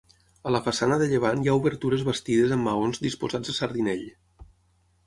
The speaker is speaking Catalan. A la façana de llevant hi ha obertures bastides amb maons disposats a sardinell.